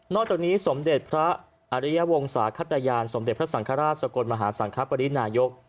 จากนี้สมเด็จพระอริยวงศาขตยานสมเด็จพระสังฆราชสกลมหาสังคปรินายก